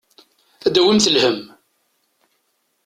Ad d-tawimt lhemm.